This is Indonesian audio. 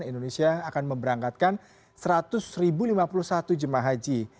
indonesia akan memberangkatkan seratus lima puluh satu jemaah haji